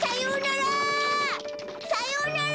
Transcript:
さようなら！